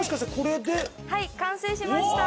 完成しました。